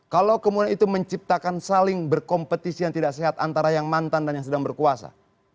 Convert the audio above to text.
kalau kemudian itu menciptakan saling berkompetisi yang tidak sehat antara yang mantan dan yang sedang berkuasa